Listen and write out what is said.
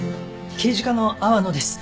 刑事課の阿波野です。